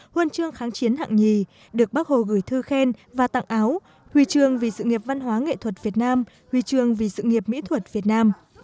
huân chương kháng chiến hạng nhì được bác hồ gửi thư khen và tặng áo huy chương vì sự nghiệp văn hóa nghệ thuật việt nam huy chương vì sự nghiệp mỹ thuật việt nam